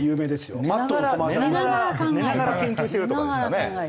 寝ながら寝ながら研究してるとかですかね。